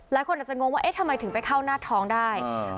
หลายคนอาจจะงงว่าเอ๊ะทำไมถึงไปเข้าหน้าท้องได้